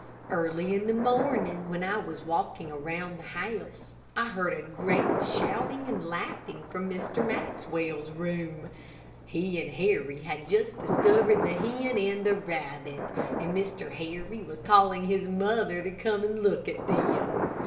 Early in the morning, when I was walking around the house, I heard a great shouting and laughing from Mr. Maxwell's room. He and Mr. Harry had just discovered the hen and the rabbit; and Mr. Harry was calling his mother to come and look at them.